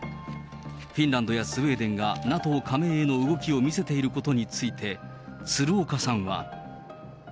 フィンランドやスウェーデンがＮＡＴＯ加盟への動きを見せていることについて、鶴岡さんは。